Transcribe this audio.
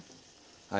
はい。